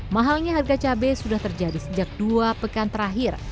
mahalnya harga cabai sudah terjadi sejak dua pekan terakhir